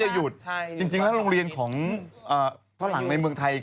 ใช่มั้ยแล้วจะหยุดจริงล่ะโรงเรียนของฝรั่งในเมืองไทย